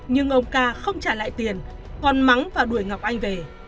nhưng ông ca không trả lại tiền hòn mắng và đuổi ngọc anh về